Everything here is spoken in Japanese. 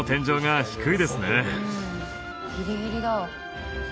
ギリギリだ。